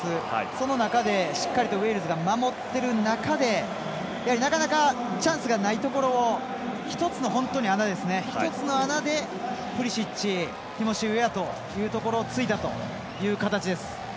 その中でしっかりとウェールズが守っている中でやはり、なかなかチャンスがないところを１つの穴でプリシッチティモシー・ウェアというところを突いたという形です。